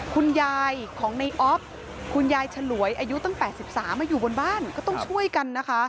คุณยายของในออฟคุณยายฉลวยอายุตั้ง๘๓มาอยู่บนบ้านก็ต้องช่วยกันนะคะ